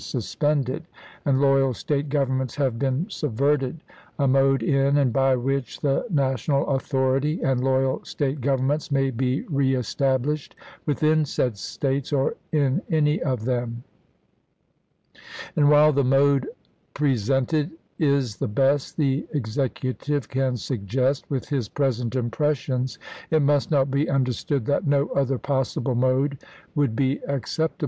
suspended, and loyal State governments have been subverted, a mode in and by which the national authority and loyal State governments may be re established within said States, or in any of them. And while the mode presented is the best the Ex ecutive can suggest, with his present impressions, prociama it must not be understood that no other possible Dec. 8, lW mode would be acceptable."